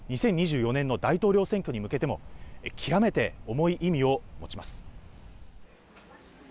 ２０２４年の大統領選挙に向けても、極めて重い意味を持ちます。